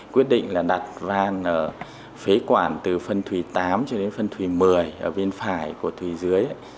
quyết định là đặt van phế quản từ phân thủy tám cho đến phân thủy một mươi ở bên phải của thủy dưới